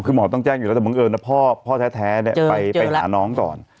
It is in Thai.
คือหมอต้องแจ้งอยู่แล้วแต่บังเอิญนะพ่อแท้ไปหาน้องก่อน